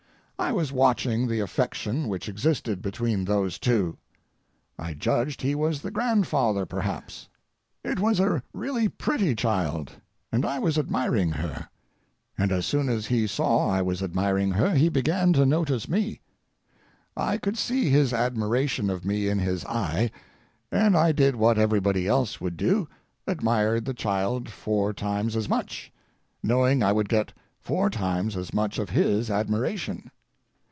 I was watching the affection which existed between those two. I judged he was the grandfather, perhaps. It was really a pretty child, and I was admiring her, and as soon as he saw I was admiring her he began to notice me. I could see his admiration of me in his eye, and I did what everybody else would do—admired the child four times as much, knowing I would get four times as much of his admiration.